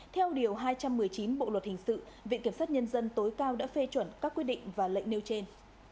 theo điều hai trăm một mươi chín bộ luật hình sự viện kiểm sát nhân dân tối cao đã phê chuẩn các quyết định và lệnh nêu trên